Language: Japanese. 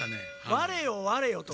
われよわれよと。